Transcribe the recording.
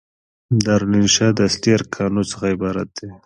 دارالانشأ د اصلي ارکانو څخه عبارت دي.